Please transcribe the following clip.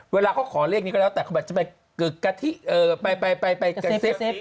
เวลาเขาขอเลขนี้ก็แล้วแต่เขาแบบจะไปกระซิบ